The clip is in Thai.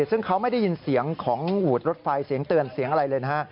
ซึ่งเขาไม่ได้ยินเสียงของหวูดรถไฟเสียงเตือนเสียงอะไรเลยนะฮะ